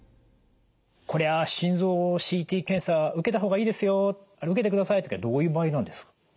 「これは心臓をＣＴ検査受けた方がいいですよあれ受けてください」とかいう時はどういう場合なんですか？